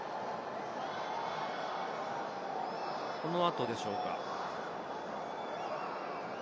この後でしょうか。